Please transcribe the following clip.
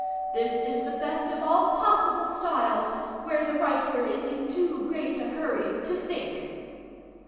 This is the best of all possible styles where the writer is in too great a hurry to think.